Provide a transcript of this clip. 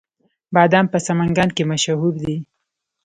بادام په سمنګان کې مشهور دي